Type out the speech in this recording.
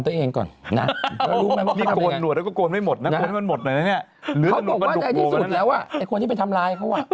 เขาบอกว่าในที่สุดแล้วอ่ะไอ้คนที่ไปทำร้ายเขาอ่ะ